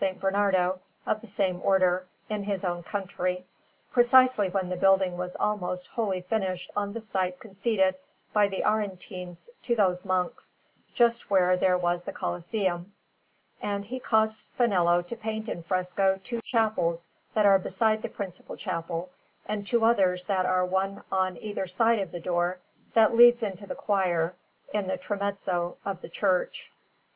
Bernardo, of the same Order, in his own country, precisely when the building was almost wholly finished on the site conceded by the Aretines to those monks, just where there was the Colosseum; and he caused Spinello to paint in fresco two chapels that are beside the principal chapel, and two others that are one on either side of the door that leads into the choir, in the tramezzo of the church.